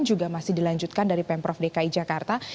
juga masih dilanjutkan dari pemprov dki jakarta